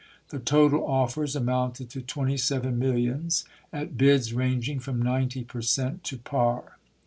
The total offers amounted to twenty seven millions, at bids ranging from ninety per cent, to par.